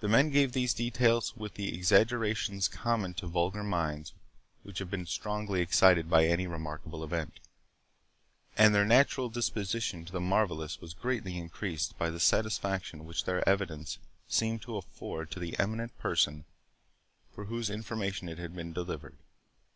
The men gave these details with the exaggerations common to vulgar minds which have been strongly excited by any remarkable event, and their natural disposition to the marvellous was greatly increased by the satisfaction which their evidence seemed to afford to the eminent person for whose information it had been delivered.